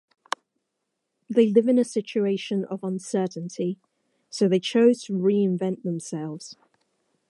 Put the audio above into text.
They live in a situation of uncertainty so they chose to reinvent themselves.